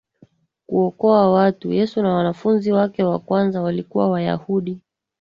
kuokoa watu Yesu na wanafunzi wake wa kwanza walikuwa Wayahudi